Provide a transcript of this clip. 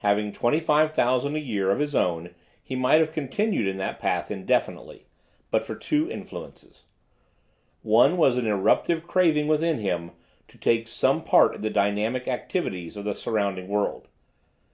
Having twenty five thousand a year of his own he might have continued in that path indefinitely, but for two influences. One was an irruptive craving within him to take some part in the dynamic activities of the surrounding world.